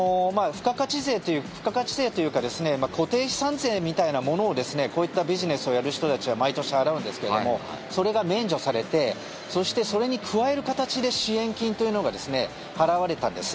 付加価値税というか固定資産税みたいなものをこういったビジネスをやる人たちは毎年払うんですけどそれが免除されてそして、それに加える形で支援金というのが払われたんです。